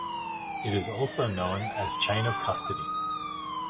It is also known as ‘chain of custody’.